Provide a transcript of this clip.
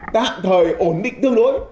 tạm thời ổn định tương đối